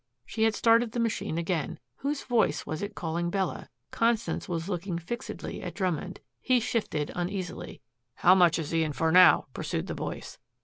She had started the machine again. Whose voice was it calling Bella? Constance was looking fixedly at Drummond. He shifted uneasily. "How much is he in for now?" pursued the voice.